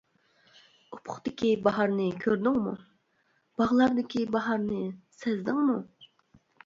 ئۇپۇقتىكى باھارنى كۆردۈڭمۇ؟ باغلاردىكى باھارنى سەزدىڭمۇ؟ !